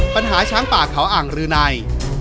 ปัญหาช้างป่าเขาอ่างรืนัย